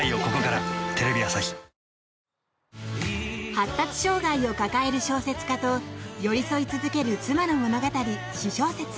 発達障害を抱える小説家と寄り添い続ける妻の物語「私小説」。